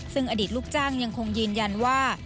ซึ่งอดีตลูกจ้างยังคงยืนยันว่า